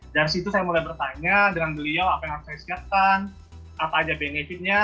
dari situ saya mulai bertanya dengan beliau apa yang harus saya siapkan apa aja benefitnya